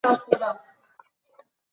এখন পুরো চাইনা মুখে ঢুকাবি নাকি?